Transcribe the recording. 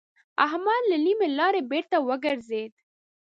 احمد له نيمې لارې بېرته وګرځېد.